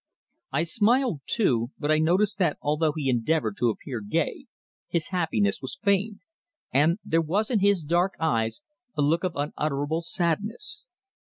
I smiled too, but I noticed that although he endeavoured to appear gay, his happiness was feigned, and there was in his dark eyes a look of unutterable sadness.